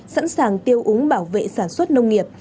sẵn sàng tiêu úng bảo vệ sản xuất nông nghiệp